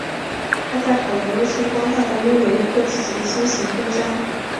他在好莱坞星光大道拥有一颗自己的星形徽章。